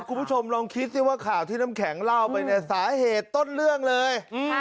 คุณผู้ชมลองคิดสิว่าข่าวที่น้ำแข็งเล่าไปเนี่ยสาเหตุต้นเรื่องเลย